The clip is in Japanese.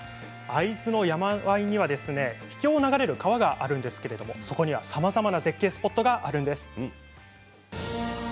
会津の山あいには秘境を流れる川があるんですけれどそこにはさまざまな絶景スポットがあるんです。